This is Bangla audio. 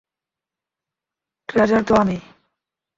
ট্রেজারার তো আমি।